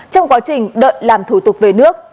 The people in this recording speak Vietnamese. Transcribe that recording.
trong quá trình đợi làm thủ tục về nước